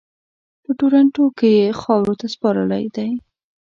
په ټورنټو کې یې خاورو ته سپارلی دی.